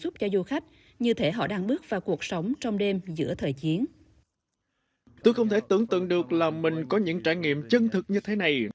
tôi không thể tưởng tượng được là mình có những trải nghiệm chân thực như thế này